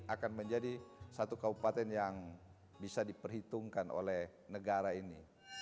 akan menjadi satu kabupaten yang bisa diperhitungkan oleh negara ini